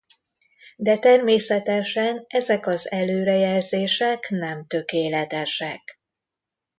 De természetesen ezek az előrejelzések nem tökéletesek.